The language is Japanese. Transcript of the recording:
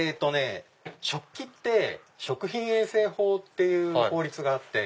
食器って食品衛生法っていう法律があって。